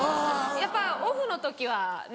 やっぱオフの時はね